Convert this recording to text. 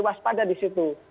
waspada di situ